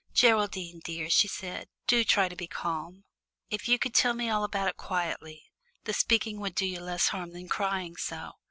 "Geraldine, dear," she said, "do try to be calm. If you could tell me all about it quietly, the speaking would do you less harm than crying so.